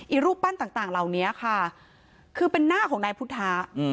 รูปปั้นต่างเหล่านี้ค่ะคือเป็นหน้าของนายพุทธะ